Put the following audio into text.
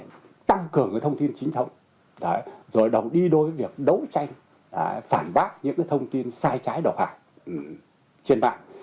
để tăng cường những thông tin chính thống rồi đồng đi đôi việc đấu tranh phản bác những thông tin sai trái độc hại trên mạng